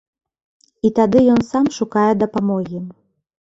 І тады ён сам шукае дапамогі.